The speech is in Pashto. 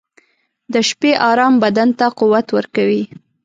• د شپې ارام بدن ته قوت ورکوي.